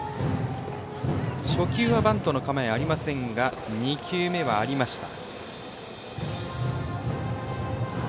初球はバントの構えありませんが２球目はありました。